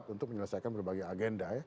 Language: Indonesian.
untuk menyelesaikan berbagai agenda ya